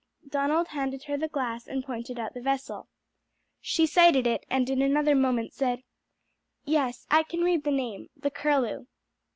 Donald handed her the glass and pointed out the vessel. She sighted it, and in another moment said, "Yes, I can read the name 'The Curlew.'"